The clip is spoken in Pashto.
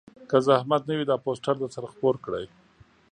که زحمت نه وي دا پوسټر درسره خپور کړئ